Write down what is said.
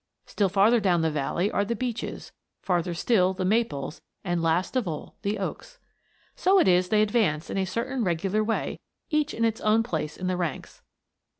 Still farther down the valley are the beeches; farther still the maples, and last of all the oaks. So it is they advance in a certain regular way, each in its own place in the ranks.